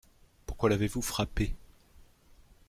Pourquoi l’avez-vous frappé ?